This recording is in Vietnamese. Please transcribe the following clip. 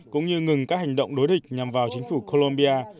cũng như ngừng các hành động đối địch nhằm vào chính phủ colombia